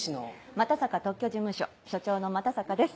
又坂特許事務所所長の又坂です。